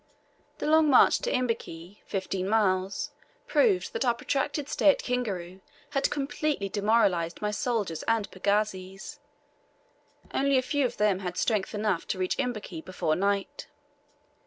The long march to Imbiki, fifteen miles, proved that our protracted stay at Kingaru had completely demoralized my soldiers and pagazis. Only a few of them had strength enough to reach Imbiki before night.